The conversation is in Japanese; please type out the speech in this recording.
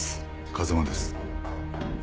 風間です。